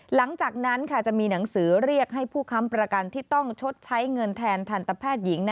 หลังจากนั้นจะมีหนังสือเรียกให้ผู้ค้ำประกันที่ต้องชดใช้เงินแทนทันตแพทย์หญิง